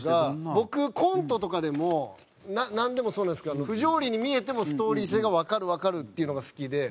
僕コントとかでもなんでもそうなんですけど不条理に見えてもストーリー性がわかるわかるっていうのが好きで。